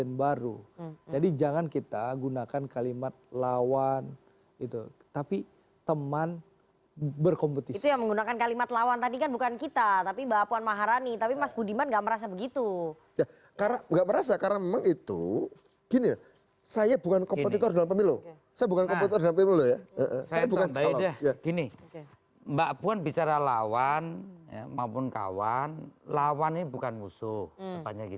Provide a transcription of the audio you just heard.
tapi itu dalam kontestasi